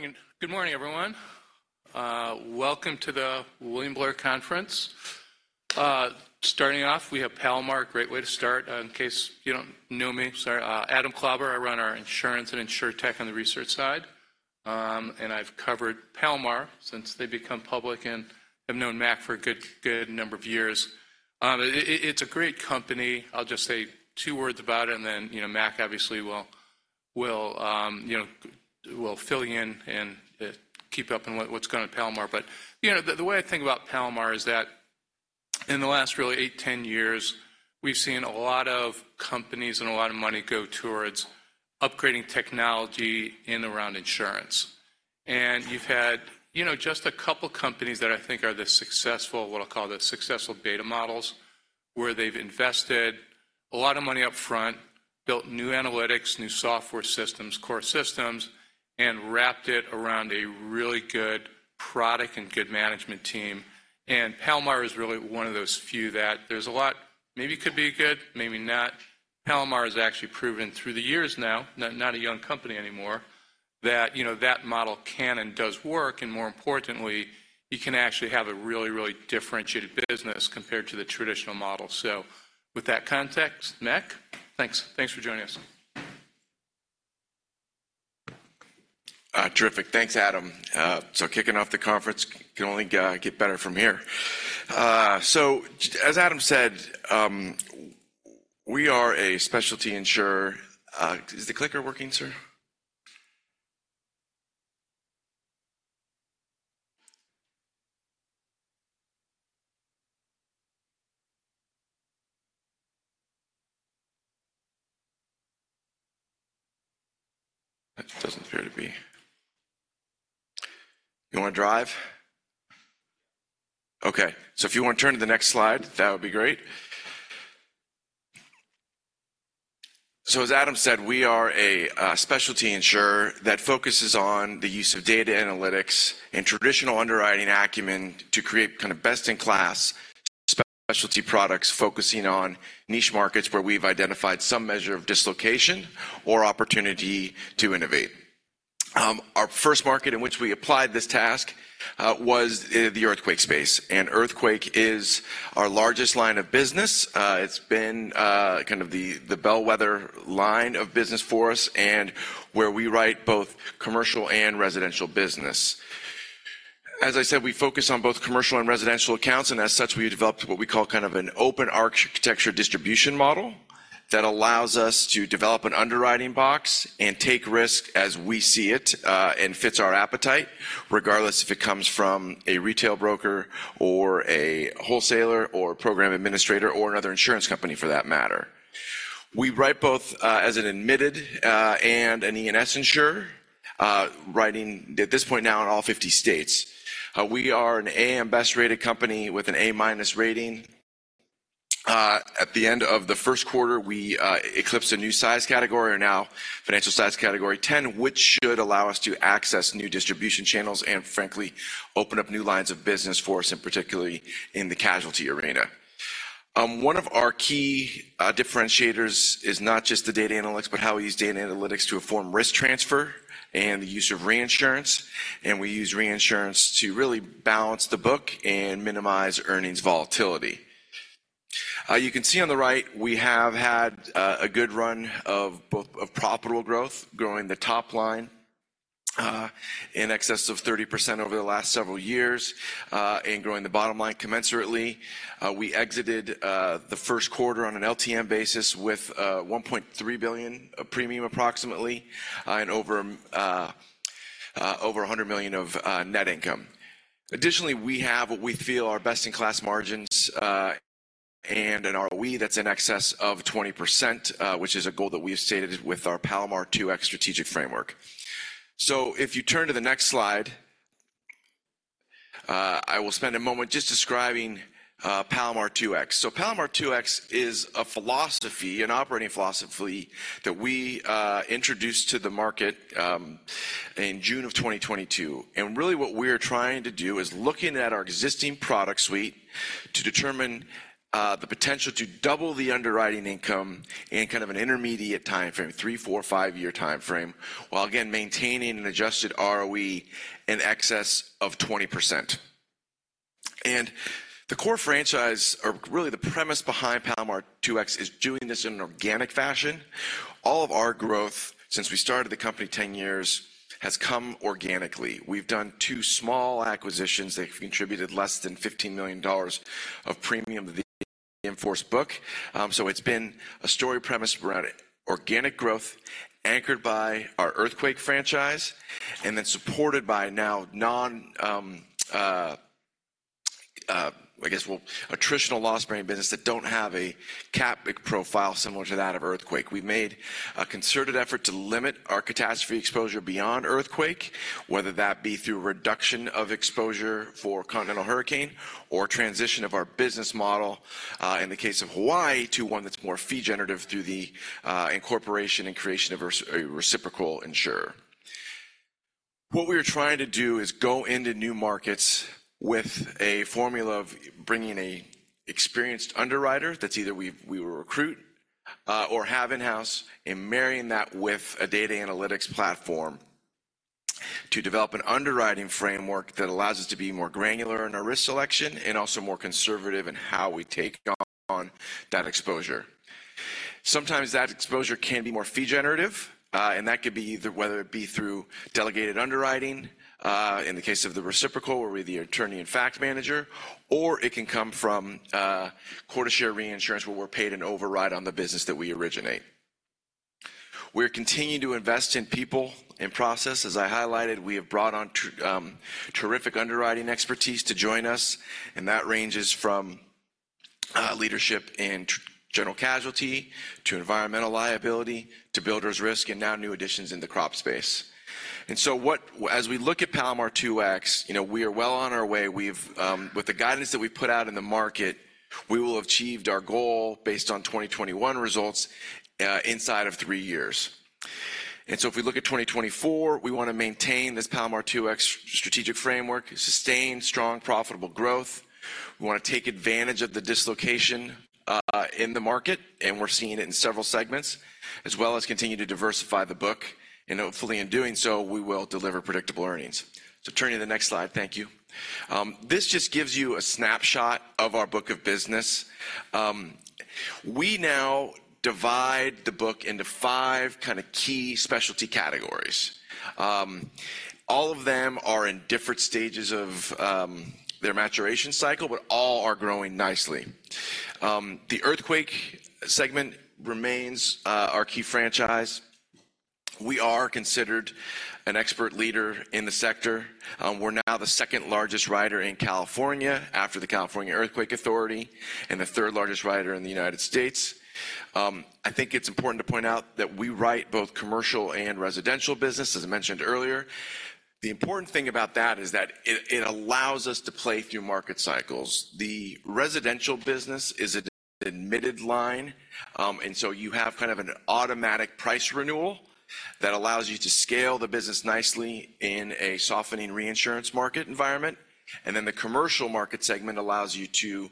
Good morning, and good morning, everyone. Welcome to the William Blair Conference. Starting off, we have Palomar, a great way to start. In case you don't know me, sorry, Adam Klauber, I run our insurance and insurtech on the research side. And I've covered Palomar since they become public, and I've known Mac for a good, good number of years. It's a great company. I'll just say two words about it, and then Mac obviously will fill you in and keep up in what's going on at Palomar. But, you know, the way I think about Palomar is that in the last really 8-10 years, we've seen a lot of companies and a lot of money go towards upgrading technology in around insurance. And you've had, you know, just a couple companies that I think are the successful, what I'll call the successful data models, where they've invested a lot of money up front, built new analytics, new software systems, core systems, and wrapped it around a really good product and good management team. And Palomar is really one of those few that there's a lot... maybe could be good, maybe not. Palomar has actually proven through the years now, not, not a young company anymore, that, you know, that model can and does work, and more importantly, you can actually have a really, really differentiated business compared to the traditional model. So with that context, Mac, thanks. Thanks for joining us. Terrific. Thanks, Adam. So kicking off the conference can only get better from here. So as Adam said, we are a specialty insurer. Is the clicker working, sir? It doesn't appear to be. You wanna drive? Okay, so if you want to turn to the next slide, that would be great. So as Adam said, we are a specialty insurer that focuses on the use of data analytics and traditional underwriting acumen to create kind of best-in-class specialty products, focusing on niche markets where we've identified some measure of dislocation or opportunity to innovate. Our first market in which we applied this task was the earthquake space, and earthquake is our largest line of business. It's been kind of the bellwether line of business for us and where we write both commercial and residential business. As I said, we focus on both commercial and residential accounts, and as such, we developed what we call kind of an open architecture distribution model that allows us to develop an underwriting box and take risk as we see it, and fits our appetite, regardless if it comes from a retail broker or a wholesaler or program administrator or another insurance company, for that matter. We write both, as an admitted, and an E&S insurer, writing at this point now in all 50 states. We are an AM Best-rated company with an A-minus rating. At the end of the first quarter, we eclipsed a new size category. We're now Financial Size Category X, which should allow us to access new distribution channels and, frankly, open up new lines of business for us, and particularly in the casualty arena. One of our key differentiators is not just the data analytics, but how we use data analytics to inform risk transfer and the use of reinsurance, and we use reinsurance to really balance the book and minimize earnings volatility. You can see on the right, we have had a good run of both profitable growth, growing the top line in excess of 30% over the last several years and growing the bottom line commensurately. We exited the first quarter on an LTM basis with approximately $1.3 billion of premium and over $100 million of net income. Additionally, we have what we feel are best-in-class margins and an ROE that's in excess of 20%, which is a goal that we've stated with our Palomar 2X strategic framework. So if you turn to the next slide, I will spend a moment just describing Palomar 2X. So Palomar 2X is a philosophy, an operating philosophy, that we introduced to the market in June of 2022. And really, what we're trying to do is looking at our existing product suite to determine the potential to double the underwriting income in kind of an intermediate timeframe, 3, 4, 5-year timeframe, while again maintaining an adjusted ROE in excess of 20%. And the core franchise or really the premise behind Palomar 2X is doing this in an organic fashion. All of our growth since we started the company 10 years has come organically. We've done 2 small acquisitions that have contributed less than $15 million of premium to the in-force book. So it's been a story premise around organic growth, anchored by our earthquake franchise and then supported by now non... I guess, well, attritional loss-bearing business that don't have a cat profile similar to that of earthquake. We've made a concerted effort to limit our catastrophe exposure beyond earthquake, whether that be through reduction of exposure for continental hurricane or transition of our business model, in the case of Hawaii, to one that's more fee generative through the incorporation and creation of a reciprocal insurer. What we are trying to do is go into new markets with a formula of bringing a experienced underwriter that's either we will recruit-... or have in-house, and marrying that with a data analytics platform to develop an underwriting framework that allows us to be more granular in our risk selection and also more conservative in how we take on that exposure. Sometimes that exposure can be more fee generative, and that could be either whether it be through delegated underwriting, in the case of the reciprocal, where we're the attorney-in-fact manager, or it can come from, quota share reinsurance, where we're paid an override on the business that we originate. We're continuing to invest in people and process. As I highlighted, we have brought on terrific underwriting expertise to join us, and that ranges from, leadership in general casualty to environmental liability, to builders risk, and now new additions in the crop space. And so as we look at Palomar 2X, you know, we are well on our way. With the guidance that we put out in the market, we will have achieved our goal based on 2021 results inside of three years. And so if we look at 2024, we want to maintain this Palomar 2X strategic framework, sustain strong, profitable growth. We want to take advantage of the dislocation in the market, and we're seeing it in several segments, as well as continue to diversify the book, and hopefully, in doing so, we will deliver predictable earnings. So turning to the next slide. Thank you. This just gives you a snapshot of our book of business. We now divide the book into five kind of key specialty categories. All of them are in different stages of their maturation cycle, but all are growing nicely. The earthquake segment remains our key franchise. We are considered an expert leader in the sector. We're now the second-largest writer in California after the California Earthquake Authority and the third-largest writer in the United States. I think it's important to point out that we write both commercial and residential business, as I mentioned earlier. The important thing about that is that it allows us to play through market cycles. The residential business is an admitted line, and so you have kind of an automatic price renewal that allows you to scale the business nicely in a softening reinsurance market environment. And then the commercial market segment allows you to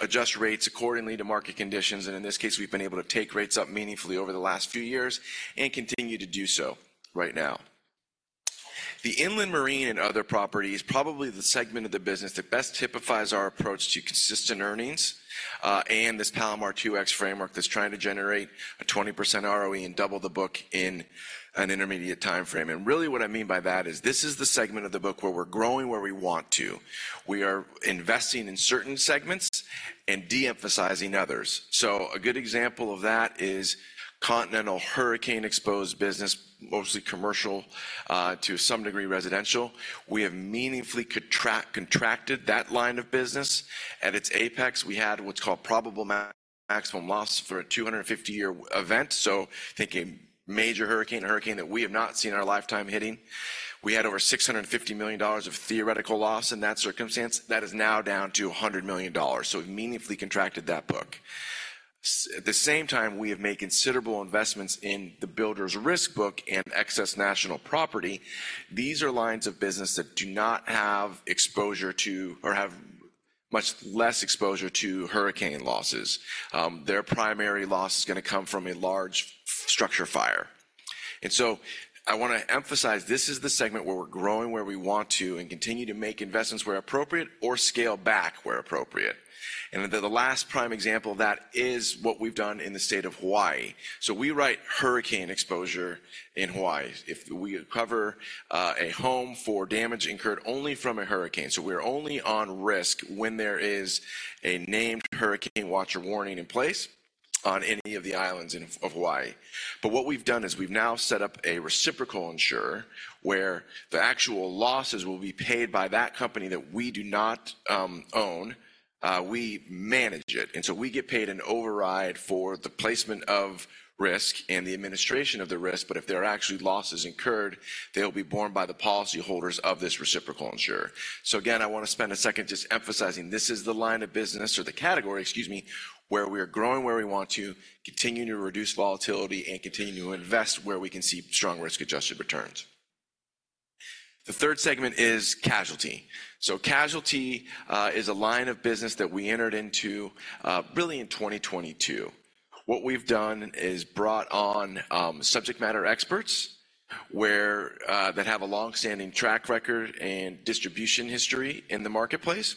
adjust rates accordingly to market conditions. In this case, we've been able to take rates up meaningfully over the last few years and continue to do so right now. The inland marine and other properties, probably the segment of the business that best typifies our approach to consistent earnings, and this Palomar 2X framework that's trying to generate a 20% ROE and double the book in an intermediate time frame. And really, what I mean by that is this is the segment of the book where we're growing, where we want to. We are investing in certain segments and de-emphasizing others. So a good example of that is continental hurricane-exposed business, mostly commercial, to some degree, residential. We have meaningfully contracted that line of business. At its apex, we had what's called probable maximum loss for a 250-year event. So think a major hurricane, a hurricane that we have not seen in our lifetime hitting. We had over $650 million of theoretical loss in that circumstance. That is now down to $100 million, so we've meaningfully contracted that book. At the same time, we have made considerable investments in the builders risk book and excess national property. These are lines of business that do not have exposure to or have much less exposure to hurricane losses. Their primary loss is going to come from a large fire or structure fire. And so I want to emphasize, this is the segment where we're growing, where we want to and continue to make investments where appropriate or scale back where appropriate. And the, the last prime example of that is what we've done in the state of Hawaii. So we write hurricane exposure in Hawaii. If we cover a home for damage incurred only from a hurricane. So we're only on risk when there is a named hurricane watch or warning in place on any of the islands in, of Hawaii. But what we've done is we've now set up a reciprocal insurer, where the actual losses will be paid by that company that we do not own. We manage it, and so we get paid an override for the placement of risk and the administration of the risk. But if there are actually losses incurred, they'll be borne by the policyholders of this reciprocal insurer. So again, I want to spend a second just emphasizing, this is the line of business or the category, excuse me, where we are growing, where we want to, continuing to reduce volatility and continue to invest where we can see strong risk-adjusted returns. The third segment is Casualty. So Casualty is a line of business that we entered into really in 2022. What we've done is brought on subject matter experts that have a long-standing track record and distribution history in the marketplace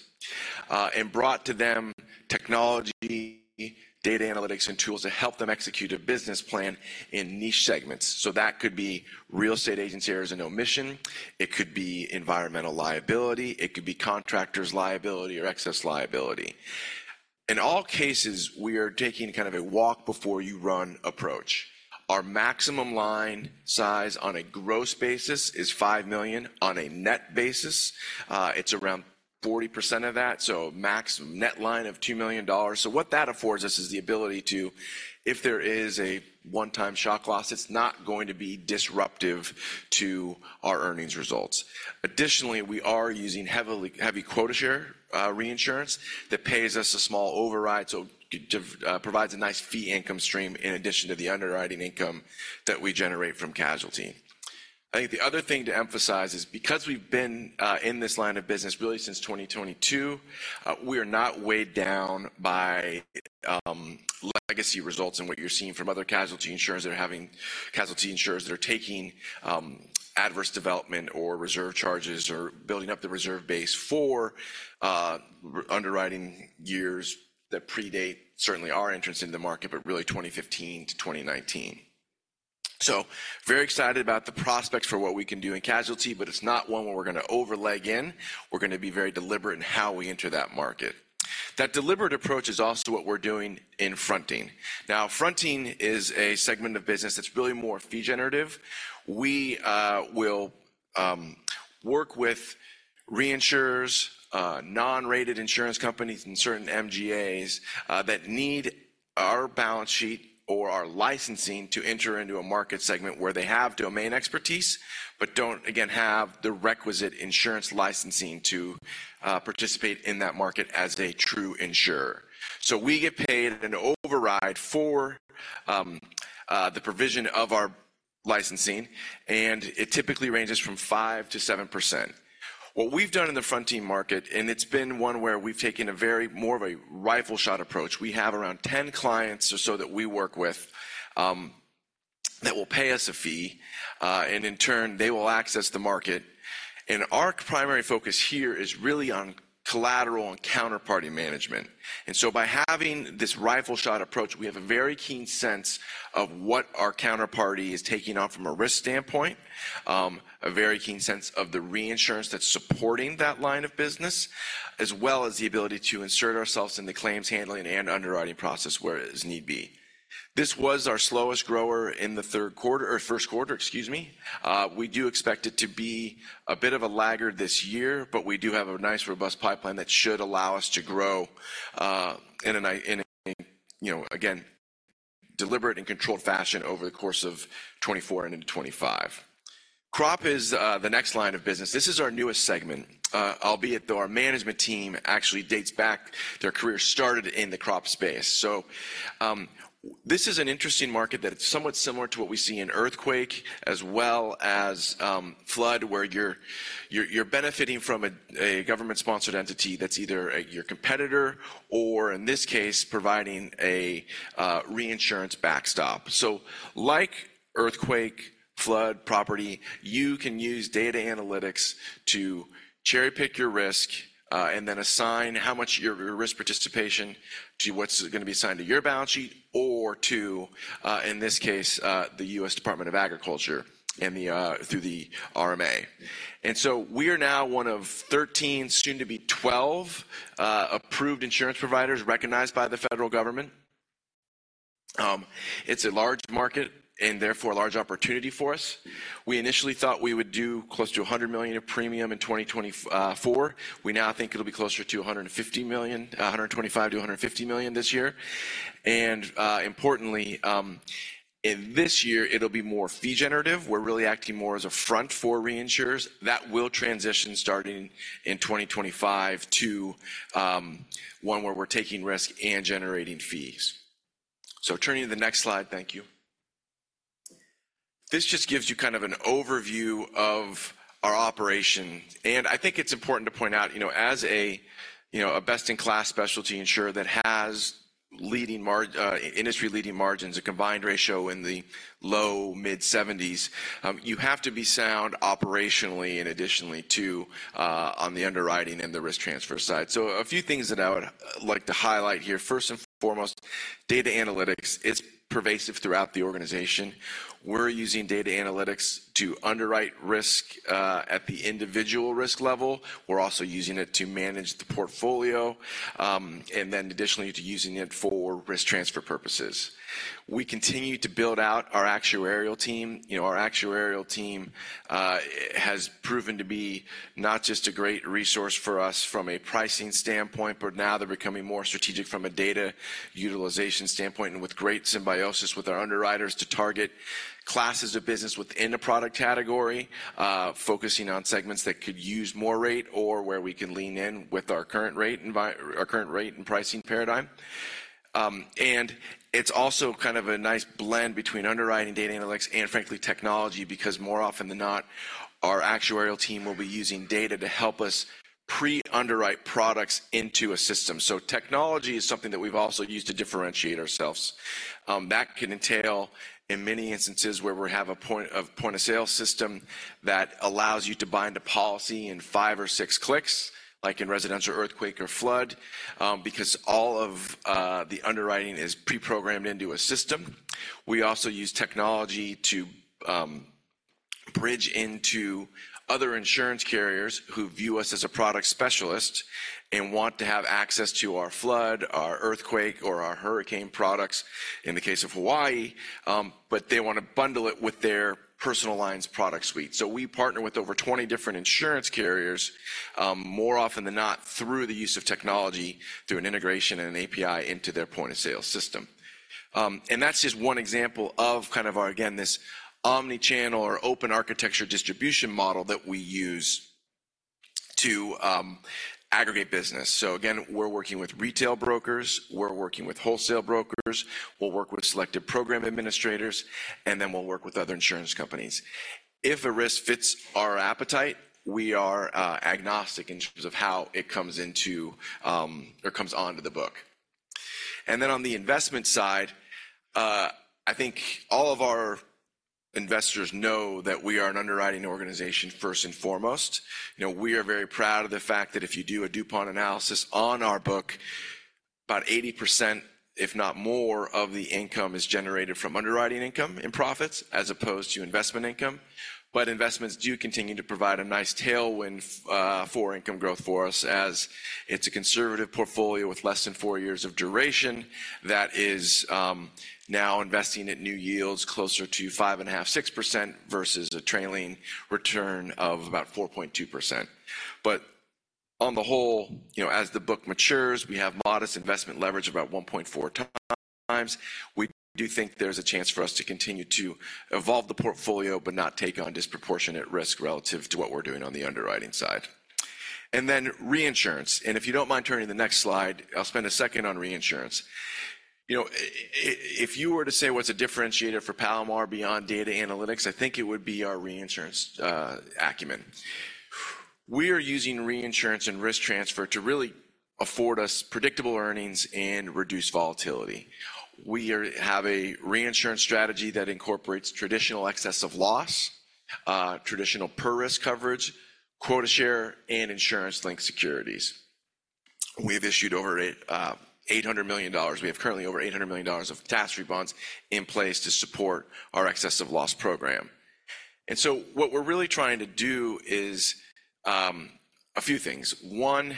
and brought to them technology, data analytics, and tools to help them execute a business plan in niche segments. So that could be real estate agency errors and omissions, it could be environmental liability, it could be contractors' liability or excess liability. In all cases, we are taking kind of a walk before you run approach. Our maximum line size on a gross basis is $5 million. On a net basis, it's around 40% of that, so a max net line of $2 million. So what that affords us is the ability to, if there is a one-time shock loss, it's not going to be disruptive to our earnings results. Additionally, we are using heavily heavy quota share reinsurance that pays us a small override, so provides a nice fee income stream in addition to the underwriting income that we generate from casualty.... I think the other thing to emphasize is because we've been in this line of business really since 2022, we are not weighed down by legacy results and what you're seeing from other casualty insurers that are taking adverse development or reserve charges or building up the reserve base for underwriting years that predate certainly our entrance into the market, but really 2015-2019. So very excited about the prospects for what we can do in casualty, but it's not one where we're going to overleverage. We're going to be very deliberate in how we enter that market. That deliberate approach is also what we're doing in fronting. Now, fronting is a segment of business that's really more fee generative. We will work with reinsurers, non-rated insurance companies, and certain MGAs that need our balance sheet or our licensing to enter into a market segment where they have domain expertise, but don't, again, have the requisite insurance licensing to participate in that market as a true insurer. So we get paid an override for the provision of our licensing, and it typically ranges from 5%-7%. What we've done in the fronting market, and it's been one where we've taken a very more of a rifle shot approach. We have around 10 clients or so that we work with that will pay us a fee, and in turn, they will access the market. And our primary focus here is really on collateral and counterparty management. And so by having this rifle shot approach, we have a very keen sense of what our counterparty is taking on from a risk standpoint, a very keen sense of the reinsurance that's supporting that line of business, as well as the ability to insert ourselves in the claims handling and underwriting process where as need be. This was our slowest grower in the third quarter or first quarter, excuse me. We do expect it to be a bit of a laggard this year, but we do have a nice, robust pipeline that should allow us to grow, you know, again, deliberate and controlled fashion over the course of 2024 and into 2025. Crop is the next line of business. This is our newest segment, albeit though our management team actually dates back, their career started in the crop space. So, this is an interesting market that it's somewhat similar to what we see in earthquake as well as flood, where you're benefiting from a government-sponsored entity that's either your competitor or in this case, providing a reinsurance backstop. So like earthquake, flood, property, you can use data analytics to cherry-pick your risk and then assign how much your risk participation to what's going to be assigned to your balance sheet or to in this case the US Department of Agriculture and the through the RMA. And so we are now one of 13, soon to be 12, approved insurance providers recognized by the federal government. It's a large market and therefore a large opportunity for us. We initially thought we would do close to $100 million in premium in 2024. We now think it'll be closer to $150 million, $125 million-$150 million this year. And, importantly, in this year, it'll be more fee generative. We're really acting more as a front for reinsurers. That will transition starting in 2025 to, one where we're taking risk and generating fees. So turning to the next slide. Thank you. This just gives you kind of an overview of our operation, and I think it's important to point out, you know, as a, you know, a best-in-class specialty insurer that has industry-leading margins, a combined ratio in the low- to mid-70s, you have to be sound operationally and additionally, too, on the underwriting and the risk transfer side. So a few things that I would like to highlight here. First and foremost, data analytics. It's pervasive throughout the organization. We're using data analytics to underwrite risk, at the individual risk level. We're also using it to manage the portfolio, and then additionally, to using it for risk transfer purposes. We continue to build out our actuarial team. You know, our actuarial team, has proven to be not just a great resource for us from a pricing standpoint, but now they're becoming more strategic from a data utilization standpoint and with great symbiosis with our underwriters to target classes of business within a product category, focusing on segments that could use more rate or where we can lean in with our current rate and our current rate and pricing paradigm. And it's also kind of a nice blend between underwriting, data analytics, and frankly, technology, because more often than not, our actuarial team will be using data to help us pre-underwrite products into a system. So technology is something that we've also used to differentiate ourselves. That can entail, in many instances, where we have a point-of-sale system that allows you to bind a policy in five or six clicks, like in residential earthquake or flood, because all of the underwriting is preprogrammed into a system. We also use technology to bridge into other insurance carriers who view us as a product specialist and want to have access to our flood, our earthquake, or our hurricane products, in the case of Hawaii, but they want to bundle it with their personal lines product suite. So we partner with over 20 different insurance carriers, more often than not, through the use of technology, through an integration and an API into their point-of-sale system. And that's just one example of kind of our, again, this omni-channel or open architecture distribution model that we use to aggregate business. So again, we're working with retail brokers, we're working with wholesale brokers, we'll work with selective program administrators, and then we'll work with other insurance companies. If a risk fits our appetite, we are agnostic in terms of how it comes into or comes onto the book. And then on the investment side, I think all of our investors know that we are an underwriting organization, first and foremost. You know, we are very proud of the fact that if you do a DuPont analysis on our book, about 80%, if not more, of the income is generated from underwriting income and profits, as opposed to investment income. But investments do continue to provide a nice tailwind for income growth for us, as it's a conservative portfolio with less than 4 years of duration, that is, now investing at new yields closer to 5.5-6%, versus a trailing return of about 4.2%. But on the whole, you know, as the book matures, we have modest investment leverage, about 1.4 times. We do think there's a chance for us to continue to evolve the portfolio, but not take on disproportionate risk relative to what we're doing on the underwriting side. And then reinsurance. And if you don't mind turning to the next slide, I'll spend a second on reinsurance. You know, if you were to say what's a differentiator for Palomar beyond data analytics, I think it would be our reinsurance acumen. We are using reinsurance and risk transfer to really afford us predictable earnings and reduce volatility. We have a reinsurance strategy that incorporates traditional excess of loss, traditional per risk coverage, quota share, and insurance-linked securities. We've issued over $800 million. We have currently over $800 million of catastrophe bonds in place to support our excess of loss program. And so what we're really trying to do is a few things. One,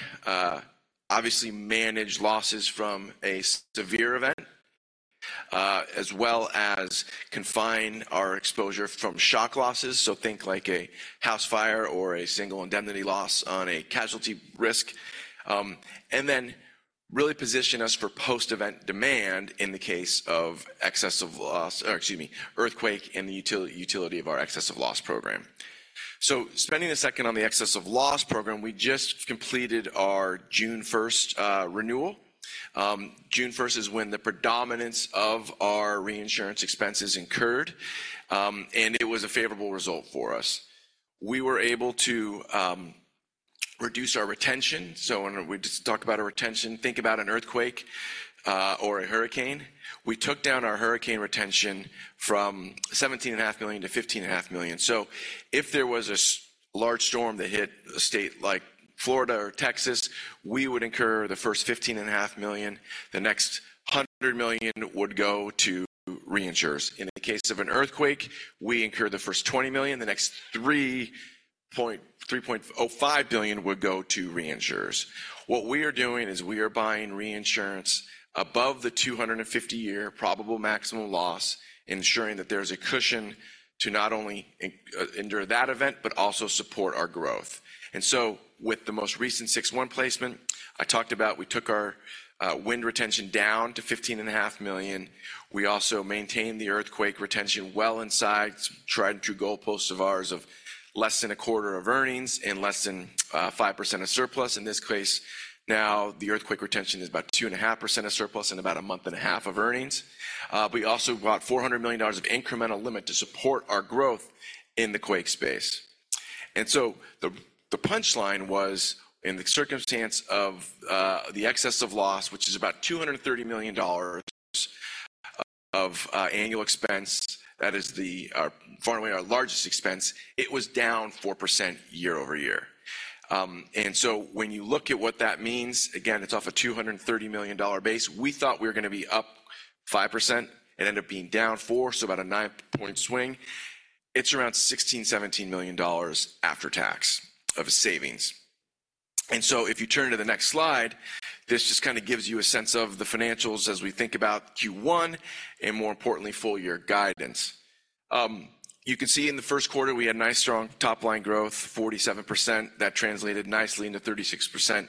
obviously manage losses from a severe event, as well as confine our exposure from shock losses. So think like a house fire or a single indemnity loss on a casualty risk. And then really position us for post-event demand in the case of excess of loss, or excuse me, earthquake and the utility of our excess of loss program. So spending a second on the excess of loss program, we just completed our June first renewal. June first is when the predominance of our reinsurance expenses incurred, and it was a favorable result for us. We were able to reduce our retention. So when we talk about our retention, think about an earthquake or a hurricane. We took down our hurricane retention from $17.5 million to $15.5 million. So if there was a large storm that hit a state like Florida or Texas, we would incur the first $15.5 million. The next $100 million would go to reinsurers. In the case of an earthquake, we incur the first $20 million, the next $3.05 billion would go to reinsurers. What we are doing is we are buying reinsurance above the 250-year probable maximum loss, ensuring that there's a cushion to not only endure that event, but also support our growth. And so with the most recent 6/1 placement, I talked about, we took our wind retention down to $15.5 million. We also maintained the earthquake retention well inside, tried and true goalposts of ours of less than a quarter of earnings and less than 5% of surplus. In this case, now, the earthquake retention is about 2.5% of surplus and about a month and a half of earnings. But we also bought $400 million of incremental limit to support our growth in the quake space. So the punchline was, in the circumstance of the excess of loss, which is about $230 million of annual expense, that is far and away our largest expense, it was down 4% year-over-year. And so when you look at what that means, again, it's off a $230 million base. We thought we were going to be up 5%, it ended up being down 4, so about a 9-point swing. It's around $16-$17 million after tax of savings. And so if you turn to the next slide, this just kind of gives you a sense of the financials as we think about Q1, and more importantly, full year guidance. You can see in the first quarter, we had nice, strong top-line growth, 47%. That translated nicely into 36%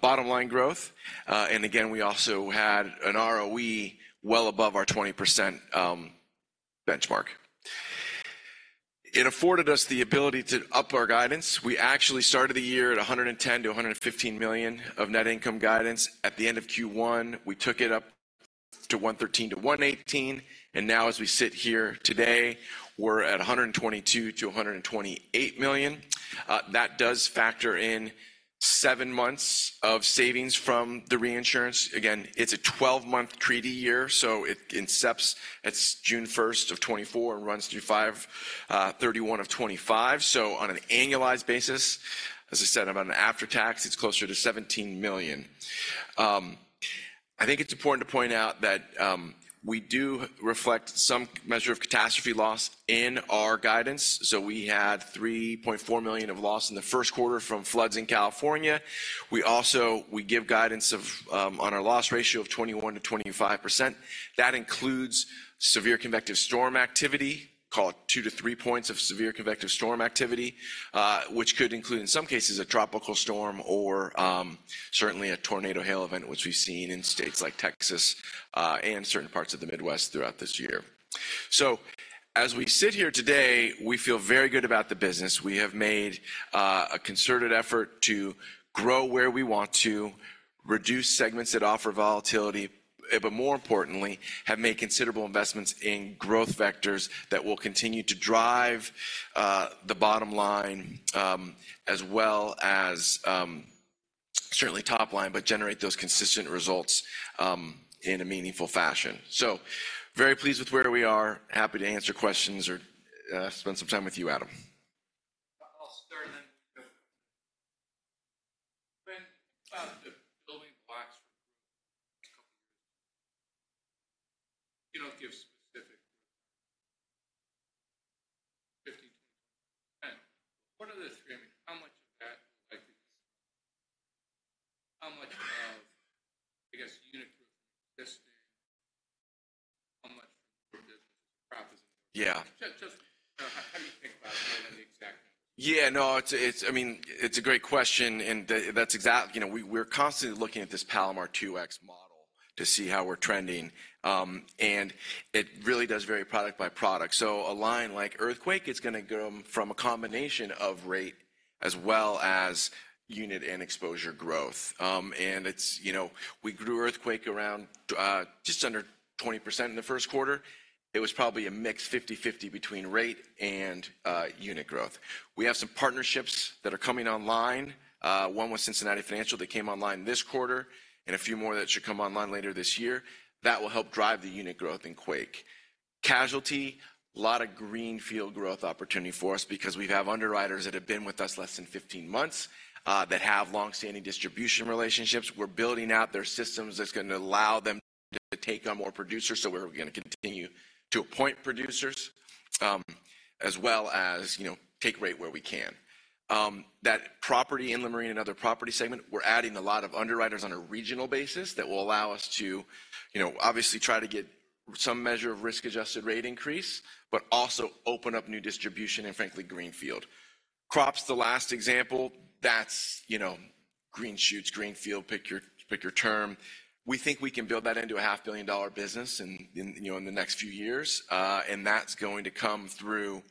bottom line growth. And again, we also had an ROE well above our 20% benchmark. It afforded us the ability to up our guidance. We actually started the year at $110 million-$115 million of net income guidance. At the end of Q1, we took it up to $113 million-$118 million, and now as we sit here today, we're at $122 million-$128 million. That does factor in seven months of savings from the reinsurance. Again, it's a twelve-month treaty year, so it incepts at June 1, 2024, and runs through May 31, 2025. So on an annualized basis, as I said, about an after-tax, it's closer to $17 million. I think it's important to point out that we do reflect some measure of catastrophe loss in our guidance. So we had $3.4 million of loss in the first quarter from floods in California. We also give guidance of on our loss ratio of 21%-25%. That includes severe convective storm activity, call it 2-3 points of severe convective storm activity, which could include, in some cases, a tropical storm or certainly a tornado hail event, which we've seen in states like Texas and certain parts of the Midwest throughout this year. So as we sit here today, we feel very good about the business. We have made a concerted effort to grow where we want to, reduce segments that offer volatility, but more importantly, have made considerable investments in growth vectors that will continue to drive the bottom line, as well as certainly top line, but generate those consistent results in a meaningful fashion. So very pleased with where we are. Happy to answer questions or spend some time with you, Adam. I'll start then. When the building blocks for a couple years, you don't give specific 50, 20. What are the three? I mean, how much of that will likely, how much of, I guess, unit this, how much from business profits Just, how do you think about it other than the exact number? Yeah, no, it's, it's, I mean, it's a great question. You know, we, we're constantly looking at this Palomar 2X model to see how we're trending. And it really does vary product by product. So a line like earthquake, it's gonna go from a combination of rate as well as unit and exposure growth. And it's, you know, we grew earthquake around just under 20% in the first quarter. It was probably a mixed 50/50 between rate and unit growth. We have some partnerships that are coming online, one with Cincinnati Financial that came online this quarter, and a few more that should come online later this year. That will help drive the unit growth in quake. Casualty, a lot of greenfield growth opportunity for us because we have underwriters that have been with us less than 15 months that have long-standing distribution relationships. We're building out their systems that's gonna allow them to take on more producers, so we're gonna continue to appoint producers, as well as, you know, take rate where we can. That property in the marine and other property segment, we're adding a lot of underwriters on a regional basis that will allow us to, you know, obviously try to get some measure of risk-adjusted rate increase, but also open up new distribution and frankly, greenfield. Crops, the last example, that's, you know, green shoots, greenfield, pick your, pick your term. We think we can build that into a $500 million business in, in, you know, in the next few years. And that's going to come through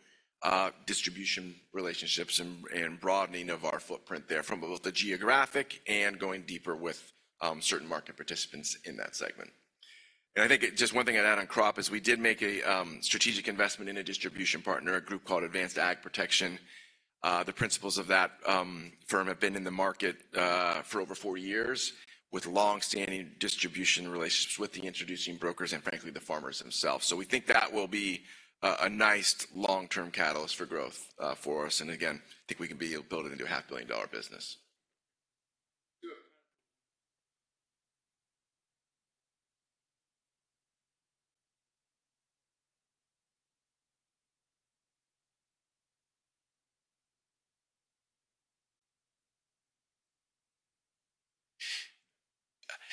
distribution relationships and broadening of our footprint there from both the geographic and going deeper with certain market participants in that segment. And I think just one thing I'd add on crop is we did make a strategic investment in a distribution partner, a group called Advanced AgProtection. The principals of that firm have been in the market for over four years, with long-standing distribution relationships with the introducing brokers and frankly, the farmers themselves. So we think that will be a nice long-term catalyst for growth for us. And again, I think we can be building into a $500 million business.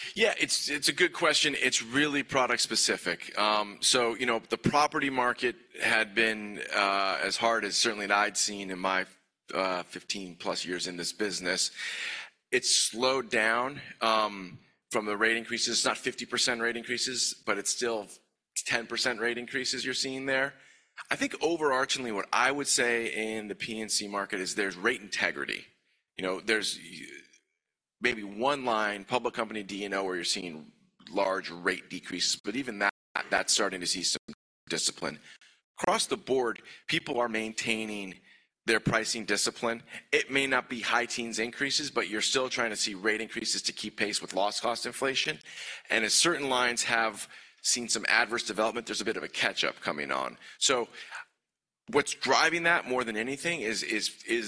Good. Yeah, it's, it's a good question. It's really product specific. So, you know, the property market had been as hard as certainly I'd seen in my fifteen plus years in this business. It's slowed down from the rate increases. It's not 50% rate increases, but it's still 10% rate increases you're seeing there. I think overarchingly, what I would say in the P&C market is there's rate integrity. You know, there's maybe one line, public company, D&O, where you're seeing large rate decreases, but even that, that's starting to see some discipline. Across the board, people are maintaining their pricing discipline. It may not be high teens increases, but you're still trying to see rate increases to keep pace with loss cost inflation. And as certain lines have seen some adverse development, there's a bit of a catch-up coming on. So what's driving that more than anything is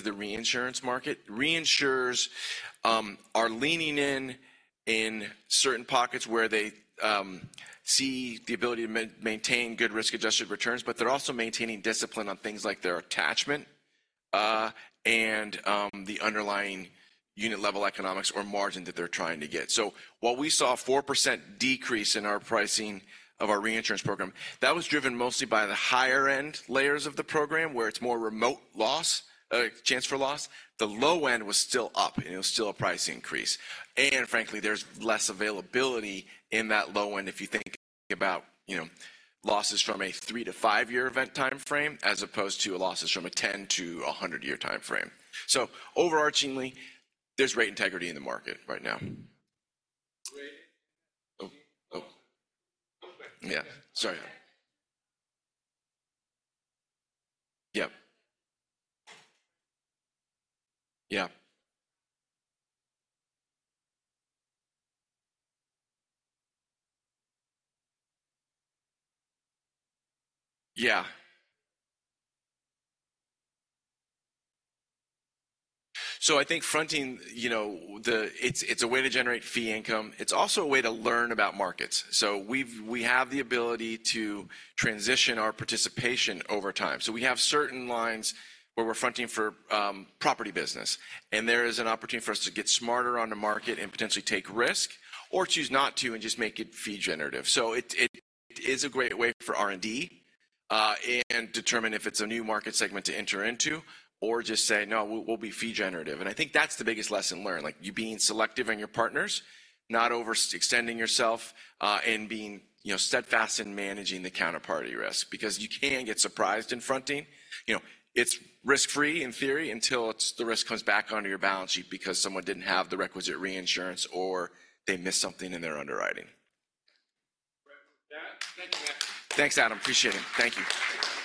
the reinsurance market. Reinsurers are leaning in in certain pockets where they see the ability to maintain good risk-adjusted returns, but they're also maintaining discipline on things like their attachment and the underlying unit level economics or margin that they're trying to get. So while we saw a 4% decrease in our pricing of our reinsurance program, that was driven mostly by the higher-end layers of the program, where it's more remote loss chance for loss. The low end was still up, and it was still a price increase. And frankly, there's less availability in that low end if you think about, you know, losses from a 3- to 5-year event timeframe, as opposed to losses from a 10- to 100-year timeframe. So overarchingly, there's rate integrity in the market right now. Great. Okay. Yeah, sorry. Yeah. Yeah. Yeah. So I think fronting, you know, it's, it's a way to generate fee income. It's also a way to learn about markets. So we have the ability to transition our participation over time. So we have certain lines where we're fronting for property business, and there is an opportunity for us to get smarter on the market and potentially take risk or choose not to and just make it fee generative. So it is a great way for R&D and determine if it's a new market segment to enter into or just say, "No, we'll be fee generative." And I think that's the biggest lesson learned, like, you being selective in your partners, not overextending yourself and being, you know, steadfast in managing the counterparty risk, because you can get surprised in fronting. You know, it's risk-free in theory, until the risk comes back onto your balance sheet because someone didn't have the requisite reinsurance or they missed something in their underwriting. Great. Thank you, Mac. Thanks, Adam. Appreciate it. Thank you.